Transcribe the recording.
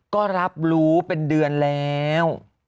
ก็รับรู้เป็นเดือนแล้ว